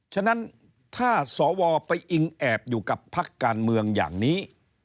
ฉะนั้นถ้าสวไปอิงแอบอยู่กับพักการเมืองอย่างนี้